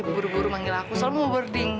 buru buru manggil aku selalu mau boarding